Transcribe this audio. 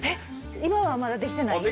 今はまだ出来てない？